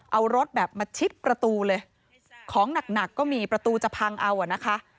เอารถแบบมาชิดประตูเลยของหนักหนักก็มีประตูจะพังเอาอ่ะนะคะ